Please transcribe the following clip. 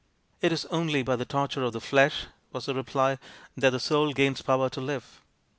" It is only by the torture of the flesh," was the reply, " that the soul gains power to live."